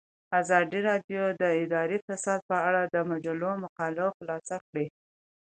ازادي راډیو د اداري فساد په اړه د مجلو مقالو خلاصه کړې.